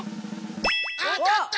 あたった！